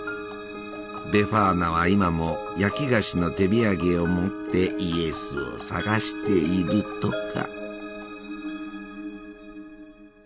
ベファーナは今も焼き菓子の手土産を持ってイエスを捜しているとか。